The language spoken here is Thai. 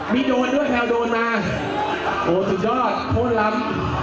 มีโดนด้วยแมวโดนมาโหสุดยอดคนลำ